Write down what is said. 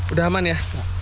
udah aman ya